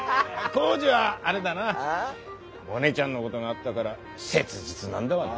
耕治はあれだなモネちゃんのごどがあったがら切実なんだわな。